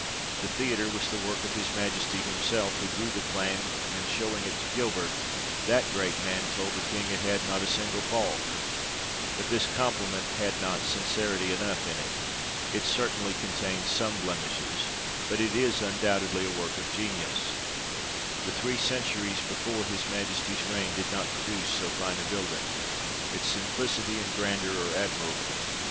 The theatre was the work of his Majesty himself, who drew the plan, and showing it to Gilbert, that great man told the King it had not a single fault ; but this compliment had not sincerity enough in it. It certainly contains some blemishes, but is undoubtedly a work of genius. The three centuries before his Majesty's reign did not produce so fine a building. Its simplicity and grandeur are admirable.